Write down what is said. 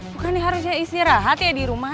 bukan harusnya istirahat ya dirumah